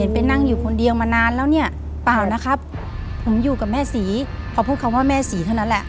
โปรดติดตามตอนต่อไป